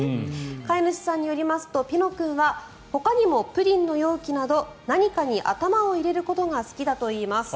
飼い主さんによりますとピノ君はほかにもプリンの容器など何かに頭を入れることが好きだといいます。